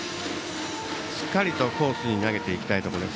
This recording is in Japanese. しっかりとコースに投げていきたいところです。